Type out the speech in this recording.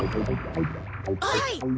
はい！